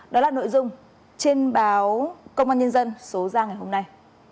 đó là nội dung trên báo công an nhân dân số ra ngày hôm nay